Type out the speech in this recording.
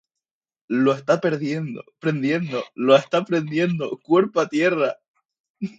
¡ Lo esta prendiendo! ¡ lo esta prendiendo! ¡ cuerpo a tierra!